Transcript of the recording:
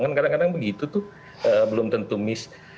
kan kadang kadang begitu tuh belum tentu miss